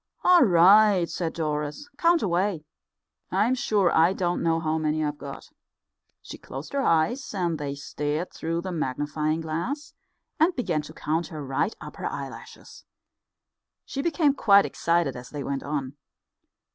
"All right," said Doris, "count away. I'm sure I don't know how many I've got." She closed her eyes, and they stared through the magnifying glass, and began to count her right upper eyelashes. She became quite excited as they went on.